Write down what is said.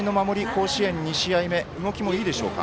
甲子園、２試合目動きもいいでしょうか。